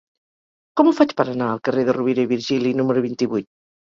Com ho faig per anar al carrer de Rovira i Virgili número vint-i-vuit?